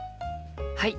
はい！